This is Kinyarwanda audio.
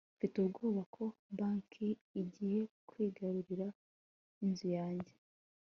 mfite ubwoba ko banki igiye kwigarurira inzu yanjye